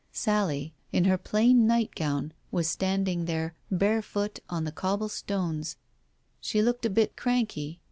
Sally, in her plain nightgown, was standing there barefoot on the cobbled stones. She looked a bit cranky.